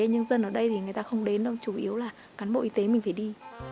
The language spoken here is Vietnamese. nhân dân ở đây thì người ta không đến đâu chủ yếu là cán bộ y tế mình phải đi